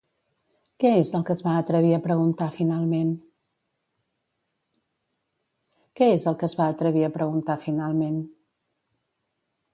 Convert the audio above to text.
Què és el que es va atrevir a preguntar finalment?